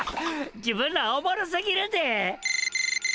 自分らおもろすぎるで！